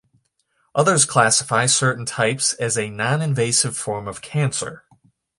Others classify certain types as a non-invasive form of cancer.